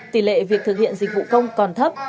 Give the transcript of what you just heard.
tỷ lệ việc thực hiện dịch vụ công còn thấp